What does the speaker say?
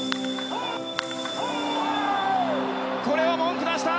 これは文句なしだ！